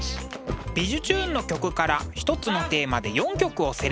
「びじゅチューン！」の曲から一つのテーマで４曲をセレクト。